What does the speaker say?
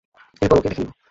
এরপর ওকে দেখে নিবো।